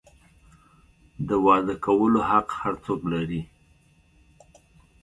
د واده کولو حق هر څوک لري.